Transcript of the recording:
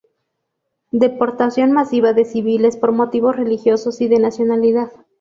Deportación masiva de civiles por motivos religiosos y de nacionalidad.